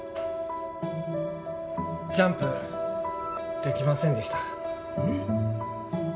ジャンプできませんでしたえっ！？